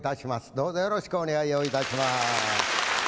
どうぞよろしくお願いをいたします。